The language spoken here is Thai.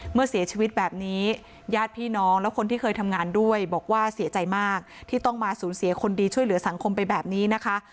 เมื่อเสียชีวิตแบบนี้ญาติพี่น้องแล้วคนที่เคยทำงานด้วยบอกว่าเสียใจมากที่ต้องมาสูญเสียคนดีช่วยเหลือสังคมไปแบบนี้นะคะ